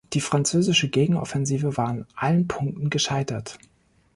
Die französische Gegenoffensive war an allen Punkten gescheitert.